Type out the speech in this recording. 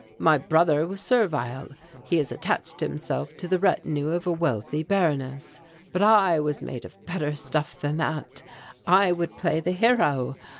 My brother was servile; he has attached himself to the retinue of a wealthy Baroness. But I was made of better stuff than that. I would play the hero.